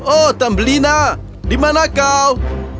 oh tambelina di mana kau